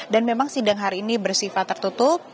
dan memang sidang hari ini bersifat tertutup